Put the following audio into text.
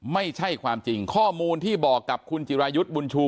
ไม่ใช่ความจริงข้อมูลที่บอกกับคุณจิรายุทธ์บุญชู